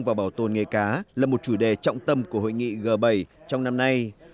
và bảo tồn nghề cá là một chủ đề trọng tâm của hội nghị g bảy trong năm nay